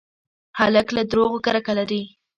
هلک له دروغو کرکه لري.